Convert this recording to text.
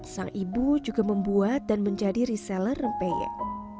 sang ibu juga membuat dan menjadi reseller rempeyek